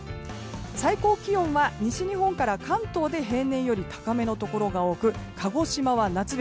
最高気温は西日本から関東で平年より高めのところが多く鹿児島は夏日。